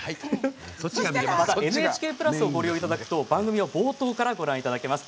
また、ＮＨＫプラスをご利用いただくと番組を冒頭からご覧いただけます。